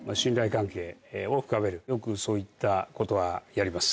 よくそういったことはやります。